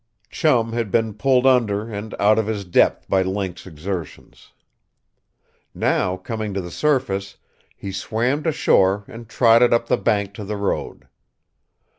Chum had been pulled under and out of his depth by Link's exertions. Now, coming to the surface, he swam to shore and trotted up the bank to the road.